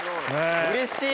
うれしい！